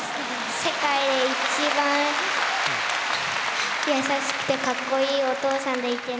世界で一番優しくてかっこいいお父さんでいてね。